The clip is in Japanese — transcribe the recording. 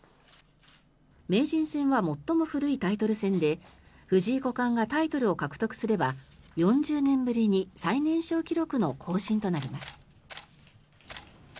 名人戦は最も古いタイトル戦で藤井五冠がタイトルを獲得すれば４０年ぶりに最年少記録の更新となります。